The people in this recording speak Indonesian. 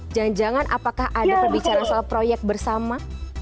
jangan jangan apakah ada pembicaraan soal proyek bersama